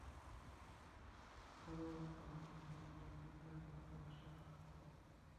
বালুর বস্তা ফেলে ভাঙনের কবল থেকে বিদ্যালয়টি রক্ষার চেষ্টা করা হচ্ছে।